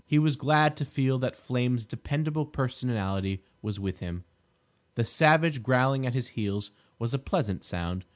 He was glad to feel that Flame's dependable personality was with him. The savage growling at his heels was a pleasant sound.